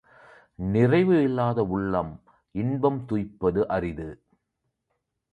நிறைவு இல்லாத உள்ளம் இன்பம் துய்ப்பது அரிது